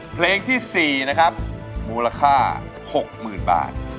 เพลงที่สี่นะครับมูลค่าหกหมื่นบาท